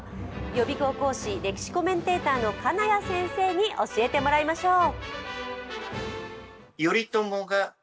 予備校講師・歴史コメンテーターの金谷先生に教えてもらいましょう。